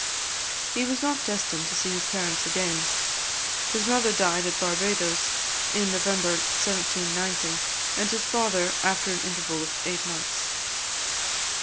He was not destined to see his parents again. His mother died at Barbadoes, in November 1790, and his father after an interval of eight months.